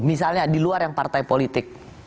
misalnya di luar yang partai politik